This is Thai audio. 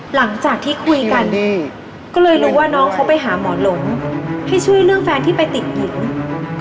หลังจากที่คุยกันอืมก็เลยรู้ว่าน้องเขาไปหาหมอหลงให้ช่วยเรื่องแฟนที่ไปติดหญิง